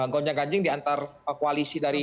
gonjang ganjing diantar koalisi dari